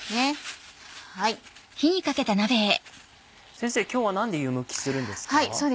先生今日は何で湯むきするんですか？